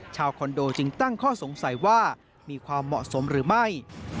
คอนโดจึงตั้งข้อสงสัยว่ามีความเหมาะสมหรือไม่